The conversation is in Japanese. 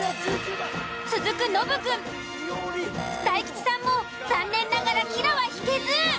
続くノブくん大吉さんも残念ながらキラは引けず。